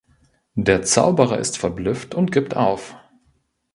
Der Zauberer ist verblüfft und gibt auf.